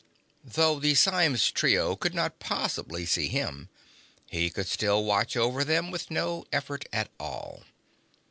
Though the Symes trio could not possibly see him, he could still watch over them with no effort at all.